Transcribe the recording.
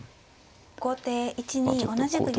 後手１二同じく玉。